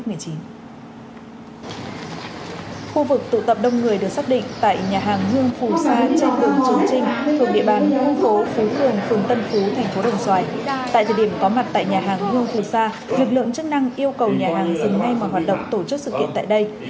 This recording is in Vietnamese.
tại thời điểm có mặt tại nhà hàng hương phù sa lực lượng chức năng yêu cầu nhà hàng dừng ngay mà hoạt động tổ chức sự kiện tại đây